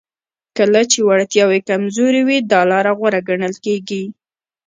کله چې وړتیاوې کمزورې وي دا لاره غوره ګڼل کیږي